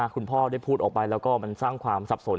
คุณพ่อได้พูดออกไปแล้วก็มันสร้างความสับสน